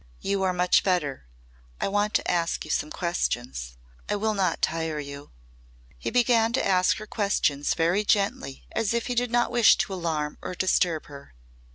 "You are much better. I want to ask you some questions. I will not tire you." He began to ask her questions very gently as if he did not wish to alarm or disturb her.